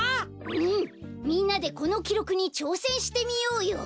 うんみんなでこのきろくにちょうせんしてみようよ。